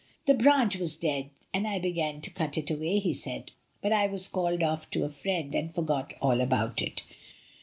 "The branch was dead, and I began to cut it away," he said, "but I was called off to a friend and forgot all about it."